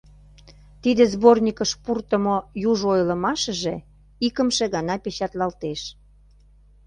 Тиде сборникыш пуртымо южо ойлымашыже икымше гана печатлалтеш.